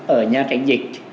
ở nhà tránh dịch